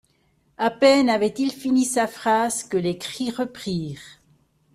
À peine avait-il fini sa phrase que les cris reprirent.